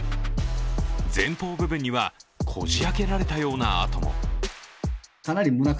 前方部分には、こじ開けられたような跡も。